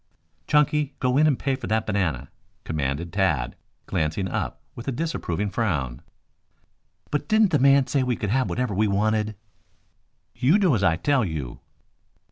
"Chunky, go in and pay for that banana," commanded Tad, glancing up with a disapproving frown. "But didn't the man say we could have whatever we wanted?" "You do as I tell you."